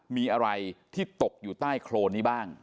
มีอะไรที่ตกอยู่ใต้โครนนี้บ้าง